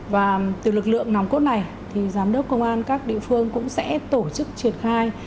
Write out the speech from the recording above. và từ lực lượng nòng cốt này thì giám đốc công an các địa phương cũng sẽ tổ chức triển khai